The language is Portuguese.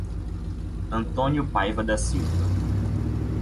Antônio Paiva da Silva